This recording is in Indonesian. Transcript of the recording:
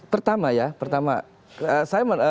pertama ya pertama